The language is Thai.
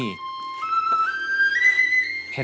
โอ้โห